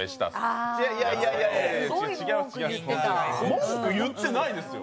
文句言ってないですよ。